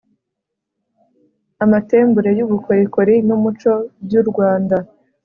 Amatembure y ubukorikori n umuco by u rwanda